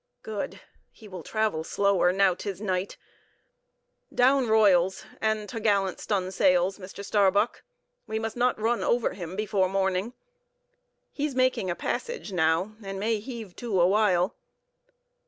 "Good! he will travel slower now 'tis night. Down royals and top gallant stun sails, Mr. Starbuck. We must not run over him before morning. He's making a passage now, and may heave to a while.